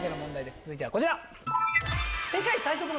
続いてはこちら。